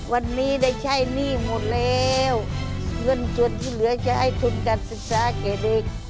วันนี้ได้ใช้หนี้หมดแล้วเงินส่วนที่เหลือจะให้ทุนการศึกษาแก่เด็ก